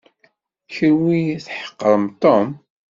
Kenwi tḥeqrem Tom.